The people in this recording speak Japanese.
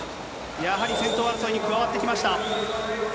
やはり先頭争いに加わってきました。